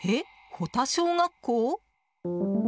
保田小学校？